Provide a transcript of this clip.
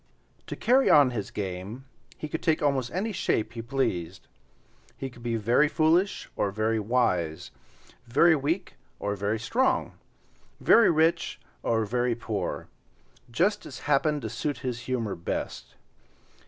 To carry on his game he could take almost any shape he pleased. He could be very foolish or very wise, very weak or very strong, very rich or very poor—just as happened to suit his humor best.